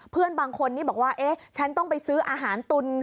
เพื่อนบางคนบอกว่าฉันต้องไปซื้ออาหารตุ๋น